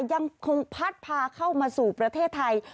ยังคงพัดพาเข้ามาสู่ประเทศไทย